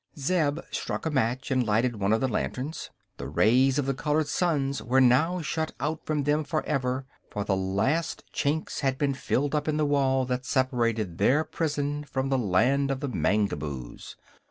Zeb struck a match and lighted one of the lanterns. The rays of the colored suns were now shut out from them forever, for the last chinks had been filled up in the wall that separated their prison from the Land of the Mangaboos.